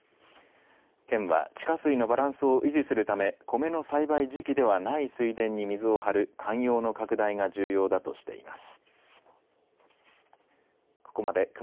県は地下水のバランスを維持するため米の栽培時期ではない水田に水を張るかん養の拡大が重要だとしています。